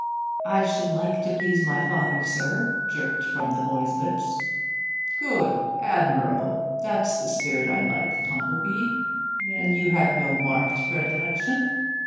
'I should like to please my father, sir,' jerked from the boy's lips. 'Good! Admirable! That's the spirit I like, Humplebee. Then you have no marked predilection?